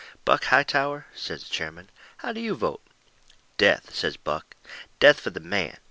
"Buck Hightower," says the chairman, "how do you vote?" "Death," says Buck; "death for the man.